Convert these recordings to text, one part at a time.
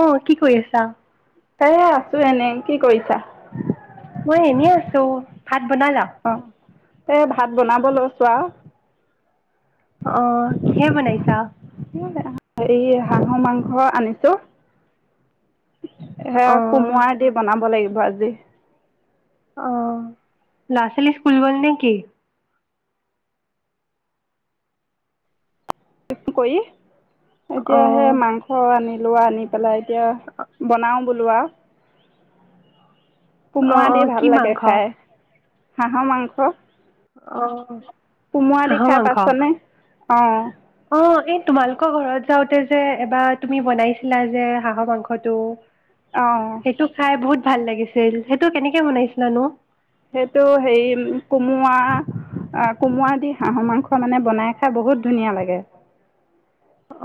অ কি কৰি আছা এ আছো এনেই কি কৰিছা মই এনেই আছো ভাত বনালা এ ভাত বনাব লৈছোঁ আও অ কিহে বনাইছা। হেই [inaudible] হাঁহৰ মাংস আনিছোঁ অ সেয়া কোমোৱাই দি বনাব লাগিব বাজে অহ লৰা ছোৱালী স্কুল গল নেকি কৰি অ এতিয়া সে মাংস আনিছোঁ। লোৱা নিপেলাই এতিয়া বনাও বুলোৱা অ কোমোৱা অ দি কি ভাল লাগে মাংস খাই হাঁহৰ মাংস অ কুমুৰা দি হাঁহৰ খাই মাংস পাইছনে অ অ এই তোমালোকৰ ঘৰত যাওঁতে যে এবাৰ তুমি বনাইছিলা যে হাঁহৰ মাংসটো অঁ সেইটো খাই বহুত ভাল লাগিছিল সেইটো কেনেকে বনাইছিলানো সেইটো হেৰি কোমোৱা কোমোৱা দি হাঁহৰ মাংস মানে বনাই খাই বহুত ধুনীয়া লাগে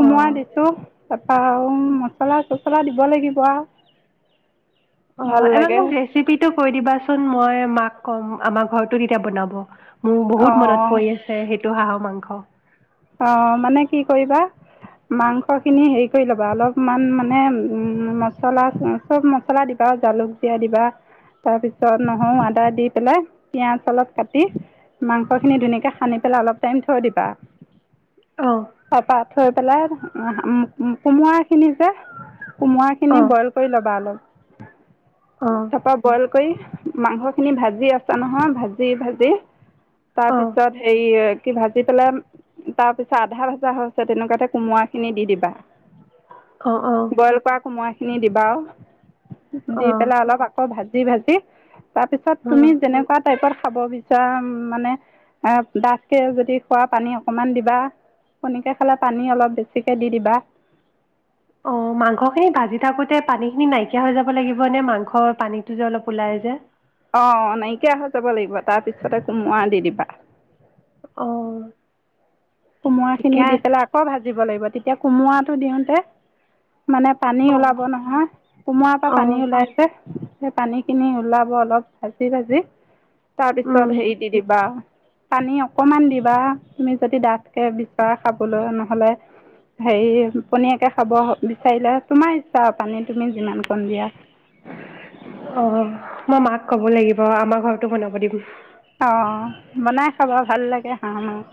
কোমোৰা অ দিছোঁ তাৰপৰা আৰু মছলা চছলা দিব লাগিব আও অ এবাৰ মোক ৰেচিপিটো কৈ দিবাচোন মই মাক কম আমাৰ ঘৰতো তেতিয়া বনাব মোৰ বহুত মনত অঁ পৰি আছে সেই টো হাঁহৰ মাংস অ মানে কি কৰিবা মাংসখিনি হেৰি কৰি ল'বা অলপমান মানে মছলা চব মছলা দিবা জালুকদিয়া দিবা তাৰপিছত নহৰু আদা দি পেলাই পিঁয়াজ অলপ কাটি মাংসখিনি ধুনীয়াকৈ সানি পেলাই অলপ টাইম থৈ দিবা অহ তাৰপৰা থৈ পেলাই উম ম্ কোমোৰা খিনি যে কোমোৰাখিনি অঁ বইল কৰি ল'বা অলপ অঁ তাৰপৰা বইল কৰি মাংস খিনি ভাজি আছা নহয় ভাজি ভাজি অঁ তাৰপিছত সেই এ কি ভাজি পেলাই তাৰ পিছত আধা ভাজা হৈছে তেনেকুৱাতে কোমোৰা খিনি দি দিবা। অঁ অঁ বইল কৰা কোমাৰা। কিনি দিবা দি অঁ পেলাই অলপ আকৌ ভাজ ভাঁজি ভাঁজি তাৰপিছত অঁ তুমি যেনেকুৱা টাইপৰ খাব বিচৰা মানে ডাঠকে যদি খোৱা পানী অকণমান দিবা কণীকৈ খালে পানী অলপ বেছিকৈ দি দিবা অ মাংসখিনি ভাজি থাকোতে পানী খিনি নাইকিয়া হৈ যাব লাগিব নে মাংসৰ পানীটো যে অলপ ওলাই যে? অ নাইকিয়া হৈ যাব লাগিব তাৰ পিছতে কোমোৰা দি দিবা। আহ কোমোৰাখিনি দি পেলাই আকৌ ভাজি দিব লাগিব তেতিয়া কোমোৰাটো দিওঁতে মানে পানী অঁ ওলাব নহয় কোমোৰাৰ পৰা অঁ পানী ওলাইছে। পানী খিনি ওলাব অলপ ভাজি ভাজি। তাৰপিছত হেই দি দিবা পানী অকনমান দিবা তুমি যদি ডাঠ। বিচৰা খাবলৈ নহলে হেৰি পনীয়াকে খাব বিচাৰিলে তোমাৰ চাহ পানী তুমি যিমান কণ দিয়া অঁ মই মাক ক'ব লাগিব আমাৰ ঘৰতো বনাব দিম। অঁ বনাই খাবা ভাল লাগে হাঁহ মাংস।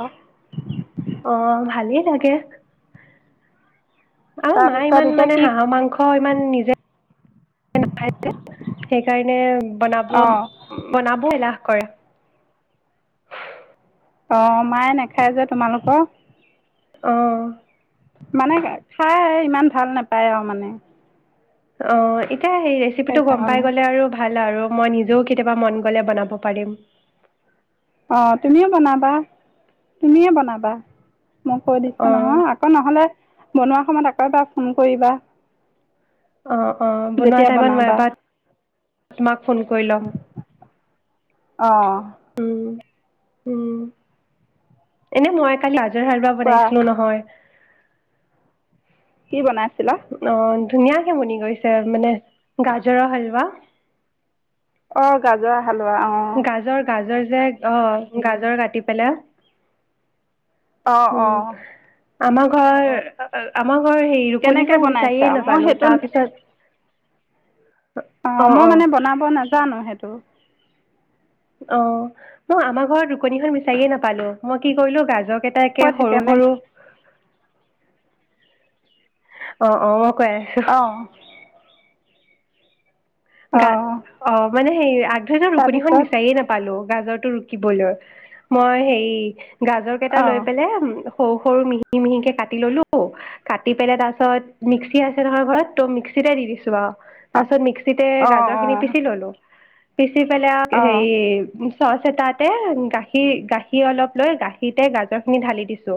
অ ভালেই লাগে। অহ মায়ে তাৰপিছত ইমান এতিয়া মানে কি হাঁহৰ মাংস ইমান নিজে নাখায় যে সেইকাৰণে বনাব অঁ বনাব এলাহ। কৰে অ মায়ে নাখায় যে তোমালোকৰ। অ মানে খাই ইমান ভাল নাপায়। আৰু মানে অ এ সেই ৰেচিপিটো গম পাই সেইকাৰণে গলে আৰু ভাল। ভাল আৰু মই নিজেও কেতিয়াবা মন গলে বনাব পাৰিম। অ তুমিও বনাবা তুমিয়ে বনাবা। মই কৈ দিছো অ নহয় আকৌ নহ'লে। বনোৱা সময়ত আকৌ এবাৰ ফোন কৰিবা। অ অ বনোৱা যেতিয়া টাইমত মই বনাবা এবাৰ তোমাক ফোন কৰি ল'ম। অ উম উম এনেই মই কালি আ যোৱাবাৰ কোৱা বনাইছিলো নহয়। কি বনাই অ ধুনীয়াকে শুনি গৈছে আৰু মানে গাজৰৰ হালোৱা অ গাজৰৰ হালোৱা অঁ গাজৰ গাজৰ যে আহ উম, অ আমাৰ ঘৰ আমাৰ অ হেৰি কেনেকৈ ৰুকনিখন বনাইছা বিচাৰিয়ে নাপালো তাৰ পিছত অ মই মানে বনাব নাজানো সেইটো অ মই আমাৰ ঘৰত ৰুকনিখন বিচাৰিয়ে নাপালো মই কি কৰিলো গাজৰ কেইটাকে ক'ত সৰু সেইকাৰণে সৰু অ অ কৈ আছো অঁ গাত অঁ অ মানে সেই আ থনিও ৰুকনিখন তাৰপিছত বিচাৰিয়ে নাপালো গাজৰ টো ৰুকিবলৈ মই হেৰি গাজৰ কেইটা অঁ লৈ পেলাই সৰু সৰু মিহি মিহিকে কাটি ললো কাটি পেলাই তাৰপাছত মিক্সি আছে নহয় ঘৰত ত মিক্সিতে দি দিছো আৰু তাৰপিছত মিক্স তে অঁ গাজৰ খিনি অঁ পিচি ললো পিচি পেলাই অঁ হেৰি চচ এটাতে গাখীৰ গাখীৰ অলপ লৈ গাখীৰতে গাজৰ খিনি ঢালি দিছো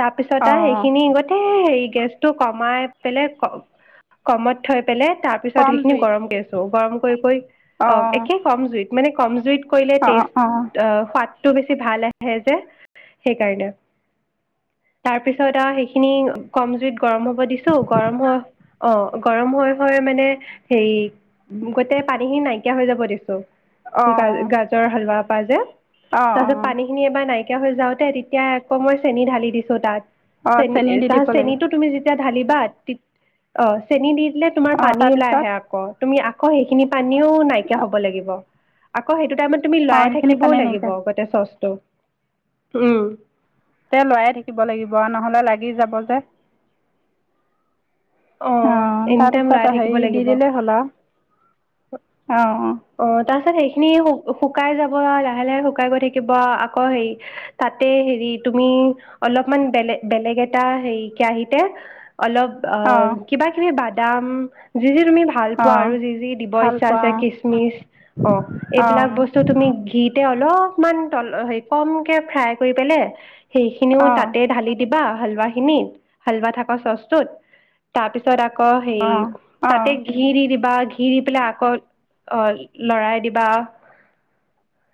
তাৰপিছতে অঁ এইখিনি গোতেই হেৰি গেছটো কমাই পেলাই ক কমত থৈ পেলাই তাৰপিছত কম হেৰি জুইত গৰম কৰিছোঁ গৰম কৰি কৰি অ অঁ একে কম জুইত মানে কম জুইত কৰি লৈ অঁ টেষ্ট অঁ অ ফা ত বেছি ভাল আহে যে সেইকাৰণে তাৰপিছত আৰু সেইখিনি কম জুইত গৰম হ'ব দিছো গৰম হোৱাৰ অ গৰম হৈ হৈ মানে হেৰি গোতেই পানী খিনি নাইকিয়া হৈ যাব দিছো অঁ গা গাজৰ হালোৱাত বাজে অঁ তাৰপিছত অঁ পানী খিনি এবাৰ নাই ন হৈ যাওতে তেতিয়া আকৌ মই চেনি ঢালি দিছো তাত অঁ চেনি দি তাৰ দিব লাগিব চেনীতটো তুমি যেতিয়া ধালি বাদ চেনি দি তোমাৰ অঁ পানী ওলাই তাৰপিছত আহে আঁ তুমি আকৌ সেইখিনি পানীও নাইকিয়া হ'ব লাগিব আকৌ সেই সটো টাইমত তুমি অঁ লৰাই সেইখিনি থাকিবও পানী লাগিব নাইকিয়া তাতে চচটো ওম তে লৰায় থাকিব লাগিব নহলে লাগি যাব যে অঁ এনি টাইম তাৰপিছত লৰাই থাকিব হেৰি দি লাগিব দিলেই হ'ল আৰু অঁ অ তাৰপিছত খিনি শুকাই যাব লাহে লাহে শুকাই গৈ থাকিব আকৌ হেৰি তাতে হেৰি তুমি অলপমান বেলেগ বেলেগ এটা হেৰি কেৰাহিতে অলপ অঁ অঁ কিবা কিবি বাদাম যি যি তুমি ভাল পোৱা অঁ আৰু যি যি দিব ভাল ইচ্ছা পোৱা আছে কিচমিচ অঁ এইবিলাক অঁ বস্তু তুমি গীত এতিয়া অলপমান তল হে কমকে ফ্ৰাই কৰি পেললে সেইখিনিও অঁ তাতে ঢালি দিব বা হালোৱা খিনিত হালোৱা থকা চচটোত তাৰপিছত আঁ আকৌ হে অঁ অঁ অঁ তাতে ঘি দি দিবা দি পেলাই আকৌ আহ লৰাই দিবা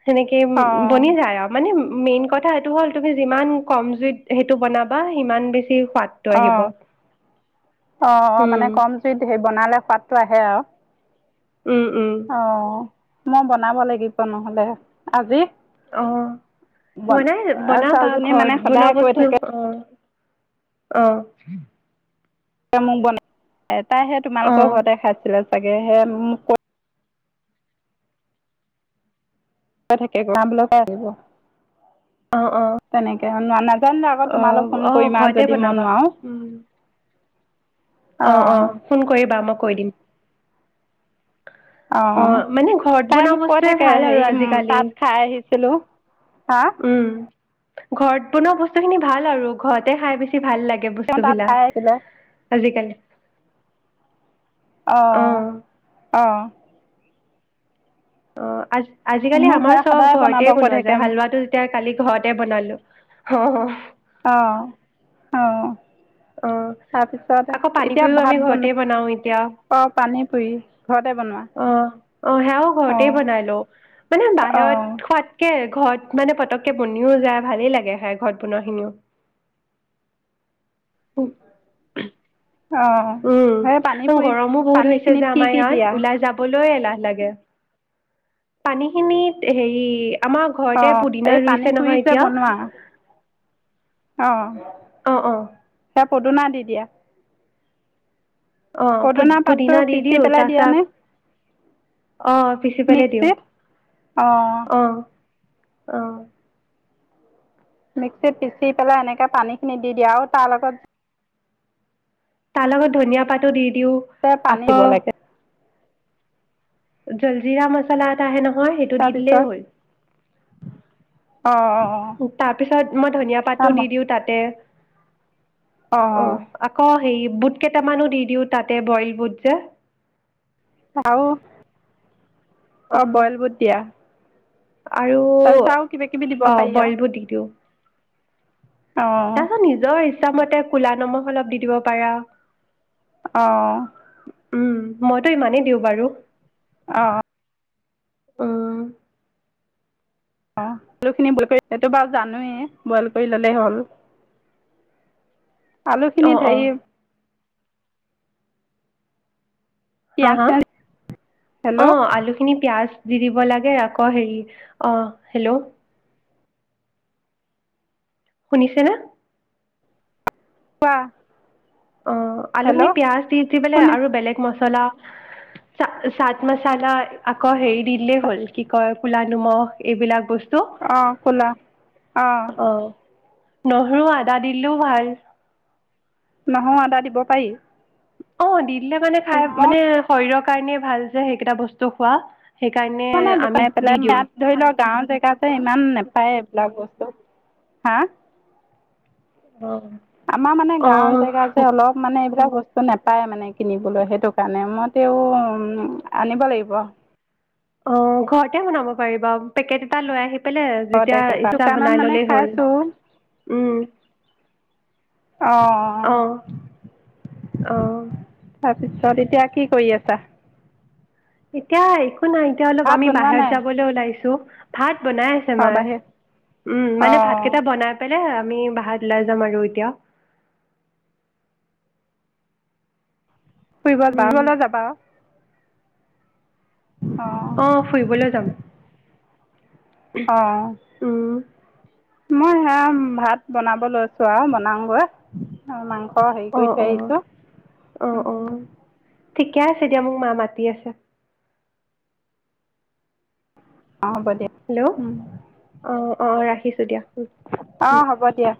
সেনেকে উ অঁ বনি যায় আৰু মানে মেইন কথা এইটো হ'ল তুমি যিমান কম জুইত সেইটো বনাবা সিমান বেছি পাতটো অঁ আহিব অঁ অঁ উম মানে কম জুইত হেৰি বনালে সোৱাদটো আহে আৰু উম উম অঁ মই বনাব লাগিব নহলে আজি অঁ বন ম নাই বনাবা ছোৱালীজনী মানে ঘৰত বনোৱা সদায় কৈ বস্তু থাকে অঁ অ' মোক বনাই [unintelligible] এ তাইহে অ তোমালোকৰ ঘৰতে খাইছিলে তাকে সে মোক ক [unintelligible] থাকে গৰাবল পৰাে আহিব অঁ অঁ শুনানা জান আকৌ তোমালোক ফোন কৰিবা যদি মই বনাবা নোৱাৰো উম অ অ অঁ ফোন কৰিবা মোক কৈ দিম অঁ অ মানে ঘৰত তাই বনোৱা মোক কৈ বস্তুৱে থাকে ভাল আৰু হেৰি আজিকালি তাত খাই আহিছিলোঁ হা উম ঘৰত বনোৱা বস্তু খিনি ভাল আৰু ঘৰতে খাই বেছি ভাল লাগে তেওঁ তাত খাই আহিলে আজিকাল অঁ অ অ আজ আজিকালি মোক আমাৰ সেয়া চব সদায় বনাব ঘৰতে কৈ বনোৱা থাকে যায় হালোৱাটো এতিয়া কালি ঘৰতে বনালো হয় হয় অহ অহ অ আকৌ পানী পুৰিও ভাত আমি বন ঘৰতে বনাও এতিয়া অ অঁ পানী পুৰি ঘৰতে বনোৱা অ সেয়াও ঘৰতে অঁ বনাই লও মানে অ', বাহিৰত খোৱাতকে ঘৰত মানে পতককে বনিও যায় ভালেই লাগে খাই ঘৰত বনোৱা খিনিও অ সেই পানী উম পুৰিত গৰমো বহুত পানী হৈছে যে খিনিত কি আমাৰ কি দিয়া? ইয়াত ওলাই যাবলৈ এলা লাগে পানী খিনিত হেৰি আমাৰ ঘৰতে অ', পুদিনা এই পানী ৰুইছে পুৰি নহয় যে এতিয়া বনোৱা অ অ অ পদুনা দি দিয়া অ পুদি পদুনা পাতটো পুদিনা দি পিচি দিওঁ পেলাই দিয়া নে তাৰপিছত অ পিচি পেলাই দিওঁ মিক্সিত? অ অহ মিক্সিত পিচি পেলাই এনেকে পানী খিনি দি দিয়া আৰু তাৰ লগত তাৰ লগত ধনিয়া পাতো দি দিওঁ যে পানী দিব আকৌ লাগে জলজিৰা মছলা এটা আহে নহয় সেই সেইটো দি দিলেই তাৰপিছত হ'ল অ', তাৰ পিছত মই ধনিয়া পাতো দি অ', দিওঁ তাতে অ আকৌ হে বুট কেইটামানো দি দিওঁ তাতে বইল বুট যে চাওঁ অ অঁ বইল বুট দিয়া আৰু তাৰপিছত আৰু কিবা কিবি দিব অ পাৰি আৰু বইলবোৰ দি দিওঁ অ', তাৰপিছত নিজৰ পিছ মতে কলা নমখ অলপ দি দিব পাৰে অ অ উম মইতো ইমানেই দিওঁ বাৰু অ অ উম অ আলুখিনি বইল কৰি এইটো বাৰু জানোৱেই বইল কৰি ল'লেই হ'ল অ', আলুখিনিত অ', সেৰি হা পিঁয়াজ হা চিয়াজ অ হেল্ল' আলুখিনি পিয়াজ দি দিব লাগে আকৌ হেৰি অ হেল্ল' শুনিছে নে কোৱা অ আলু খিনি হেল্ল' পিয়য়াজ দি দি পেললে শুনি আৰু বেলেগ মছলা জলা চাট মচলা আকৌ হেৰি দিলেই হ'ল কি কয় কোলা নিমখ এইবিলাক বস্তু অঁ খোলা অঁ অ', নহৰু আদা দিলেও ভাল নহয় আদা দিব পাৰি অ দ [unintelligible] দি মানে খাই মই মানে শৰীৰৰ কাৰণেই ভাল যে সেইকেইটা বস্তু খোৱা সেইকাৰণে মানে নাই আমি দোকানী দি পেলাই দিওঁ মাত ধৰি লওক গাঁৱৰ জেগাতে ইমান নোপায় এইবিলাক বস্তু হা অ', আমাৰ মানে গাঁওৰ জেগা যে অ'। অলপ মানে এইবিলাক বস্তু নোপায় মানে কিনিবলৈ সেইটো কাৰণে মই তেওঁ আনিব লাগিব অ ঘৰতে বনাব পাৰিব পেকেট এটা লৈ আহিবা কেলে ঘৰতে যেতিয়া ইচ্ছা দোকানত বনাই মানে ললেই হ'ল খাইছোঁ উম অঁ অ অ তাৰপিছত এতিয়া কি কৰি আছা এতিয়াই এক নাই এতিয়া অলপ ভাত আমি বনোৱা বাহিৰত নাই। যাবলৈ ওলাইছো ভাত [unintelligible] বনাই আছে অ মাৰে বাহিৰত উম অ মানে ভাতকেইটা বনাই আমি বাহাত ওলাই যাম আৰু এতিয়া। ফুৰিব বা উম গলেও যাবা। অ অ ফুৰিবলৈ যাম। আহ উম মই সেয়া ভাত বনাব লৈছো আৰু বনাওঁগৈ মাংস অ হেৰি কৰি থৈ আহিছো। অ অ ঠিকে আছে দিয়া মোক মা মাতি আছে। অ হ'ব দিয়া। হেল্ল' অ অ ৰাখিছোঁ দিয়া। উম অ হ'ব দিয়া।